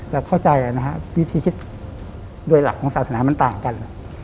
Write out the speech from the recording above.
แล้วเข้าใจวิธีคิดด้วยหลักของศาสนามันต่างกัน